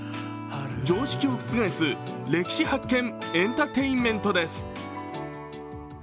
常識をくつがえす歴史発見エンターテインメントです。